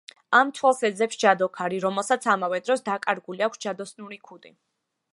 ამ თვალს ეძებს ჯადოქარი, რომელსაც ამავე დროს, დაკარგული აქვს ჯადოსნური ქუდი.